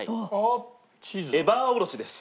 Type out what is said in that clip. エバーおろしです。